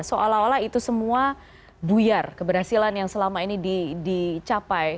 seolah olah itu semua buyar keberhasilan yang selama ini dicapai